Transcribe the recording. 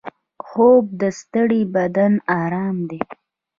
خوب د ستړي بدن ارام دی